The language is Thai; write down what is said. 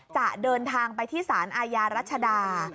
จะเดินทางไปที่สารอาญารัชดา